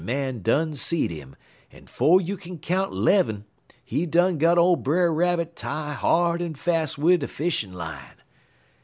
Man done seed him, en 'fo' you kin count 'lev'm, he done got ole Brer Rabbit tie hard en fas' wid de fishin' line.